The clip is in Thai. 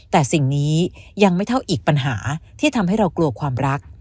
แต่สิ่งนี้ยังไม่เท่าอีกปัญหาที่ทำให้เรากลัวความรัก